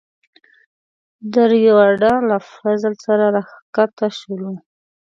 دریواړه له فضل سره راکښته شولو.